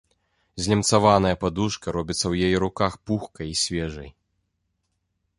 Злямцаваная падушка робіцца ў яе руках пухкай і свежай.